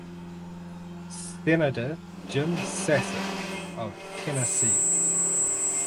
Senator Jim Sasser of Tennessee.